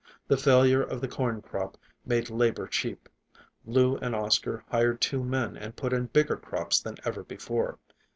The failure of the corn crop made labor cheap. Lou and Oscar hired two men and put in bigger crops than ever before.